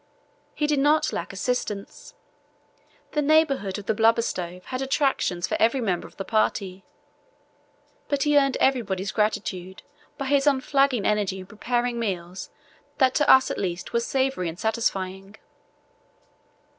He did not lack assistance—the neighbourhood of the blubber stove had attractions for every member of the party; but he earned everybody's gratitude by his unflagging energy in preparing meals that to us at least were savoury and satisfying.